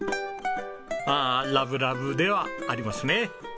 ああラブラブではありますね。